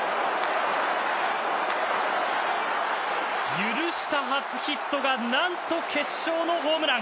許した初ヒットが何と決勝のホームラン。